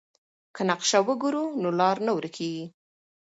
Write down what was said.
که نقشه وګورو نو لار نه ورکيږي.